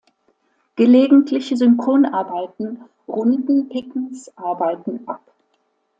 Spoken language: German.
Gelegentliche Synchronarbeiten runden Pickens’ Arbeiten ab.